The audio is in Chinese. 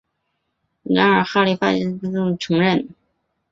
然而哈里发易卜拉欣不被承认。